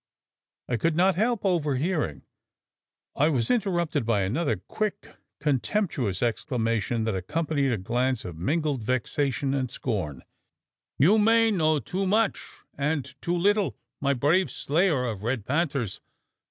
I could not help overhearing " I was interrupted by another quick contemptuous exclamation, that accompanied a glance of mingled vexation and scorn: "You may know too much, and too little, my brave slayer of red panthers!